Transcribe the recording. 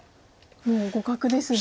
もう互角ですね。